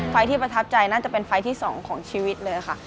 ที่ประทับใจน่าจะเป็นไฟล์ที่๒ของชีวิตเลยค่ะ